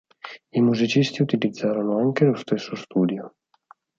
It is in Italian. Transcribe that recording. I musicisti utilizzarono anche lo stesso studio.